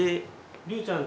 りゅうちゃん